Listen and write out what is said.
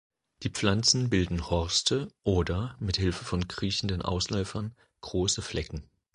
Die Pflanzen bilden Horste oder, mit Hilfe von kriechenden Ausläufern, große Flecken.